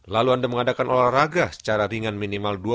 lalu anda mengadakan olahraga secara ringan minimal